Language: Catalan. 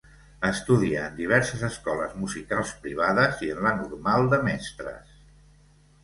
Estudia en diverses escoles musicals privades i en la Normal de Mestres.